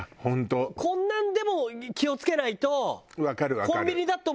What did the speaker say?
こんなんでも気を付けないと。